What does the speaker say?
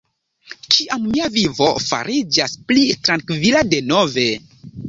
Kiam mia vivo fariĝas pli trankvila denove